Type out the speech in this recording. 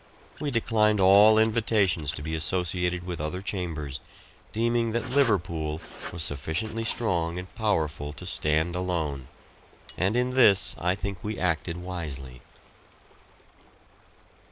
We declined all invitations to be associated with other chambers, deeming that Liverpool was sufficiently strong and powerful to stand alone, and in this I think we acted wisely.